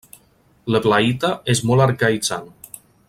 L'eblaïta és molt arcaïtzant.